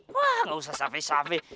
wah gak usah safe safe